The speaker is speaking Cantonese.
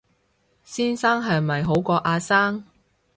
先生係咪好過阿生